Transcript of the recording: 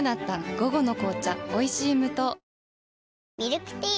午後の紅茶おいしい無糖ミルクティー